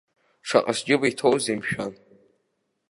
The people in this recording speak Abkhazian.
Шаҟа сџьыба иҭоузеи мшәан?